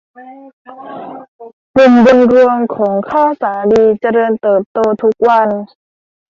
ปุ่มบนรวงของข้าวสาลีเจริญเติบโตทุกวัน